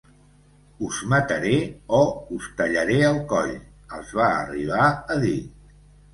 “Us mataré” o “Us tallaré el coll”, els va arribar a dir.